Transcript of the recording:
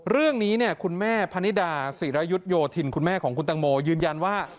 เรื่องนี้คุณแม่พนิดาศิรยุทธโยธินคุณแม่ของคุณตังโมยืนยันว่า